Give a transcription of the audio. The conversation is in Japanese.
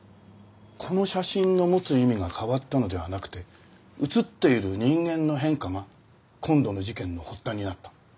この写真の持つ意味が変わったのではなくて写っている人間の変化が今度の事件の発端になった。